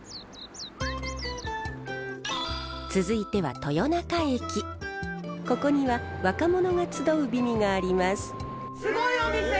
続いては豊中駅ここには若者が集う美味があります。